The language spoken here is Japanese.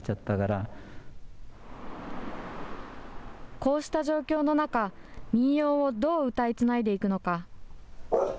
こうした状況の中、民謡をどう歌いつないでいくのか。